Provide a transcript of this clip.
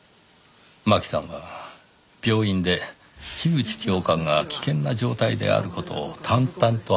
真紀さんは病院で樋口教官が危険な状態である事を淡々と話していました。